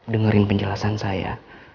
dengerin penjelasan saya